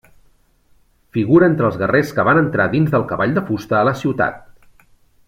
Figura entre els guerrers que van entrar dins del cavall de fusta a la ciutat.